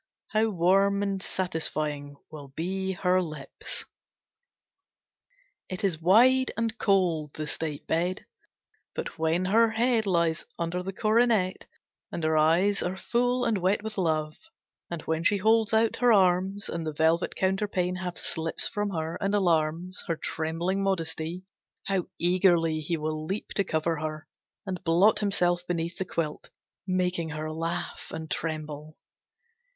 How warm and satisfying will be her lips! It is wide and cold, the state bed; but when her head lies under the coronet, and her eyes are full and wet with love, and when she holds out her arms, and the velvet counterpane half slips from her, and alarms her trembling modesty, how eagerly he will leap to cover her, and blot himself beneath the quilt, making her laugh and tremble.